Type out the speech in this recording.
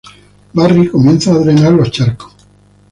Barry comienza a drenar los charcos.